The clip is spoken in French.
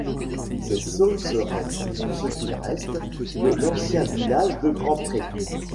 Ces saules seraient tout ce qu'il reste de l'ancien village de Grand-Pré.